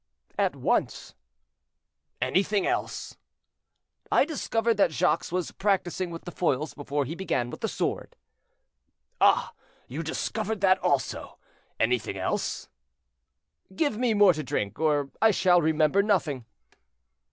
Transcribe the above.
"At once." "Anything else?" "I discovered that Jacques was practicing with the foils before he began with the sword." "Ah! you discovered that also. Anything else." "Give me more to drink, or I shall remember nothing."